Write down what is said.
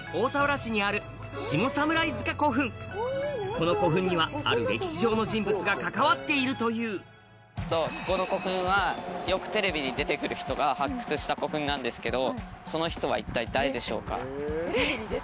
この古墳にはある歴史上の人物が関わっているというここの古墳はよくテレビに出てくる人が発掘した古墳なんですけどその人は一体誰でしょうか？